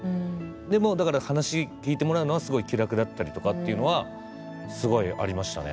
でも、だから話聞いてもらうのはすごい気楽だったりとかというのは、すごいありましたね。